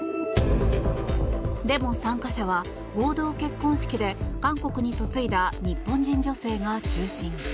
デモ参加者は、合同結婚式で韓国に嫁いだ日本人女性が中心。